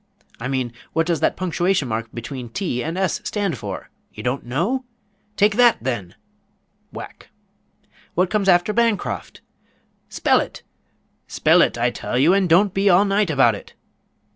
I mean, what does that punctuation mark between t and s stand for? You don't know? Take that, then! (whack). What comes after Bancroft? Spell it! Spell it, I tell you, and don't be all night about it!